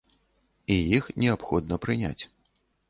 І іх неабходна прыняць.